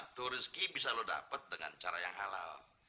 nah turizki bisa lo dapet dengan cara yang halal